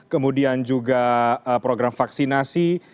kemudian juga program vaksinasi